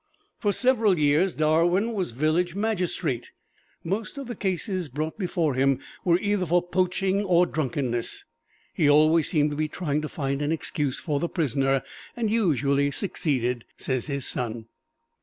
For several years Darwin was village magistrate. Most of the cases brought before him were either for poaching or drunkenness. "He always seemed to be trying to find an excuse for the prisoner, and usually succeeded," says his son.